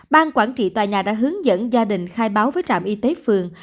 ban quản trị tòa nhà đã hướng dẫn gia đình khai báo với trạm y tế phường